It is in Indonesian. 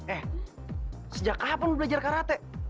eh sejak kapan belajar karate